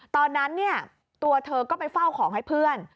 ตอนนั้นเนี่ยตัวเธอก็ไปเฝ้าของให้เพื่อน